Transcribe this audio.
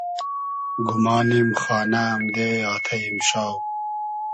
گومانیم خانۂ امدې آتݷ ایمشاو